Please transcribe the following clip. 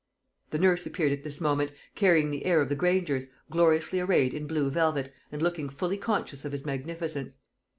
The nurse appeared at this moment, carrying the heir of the Grangers, gloriously arrayed in blue velvet, and looking fully conscious of his magnificence.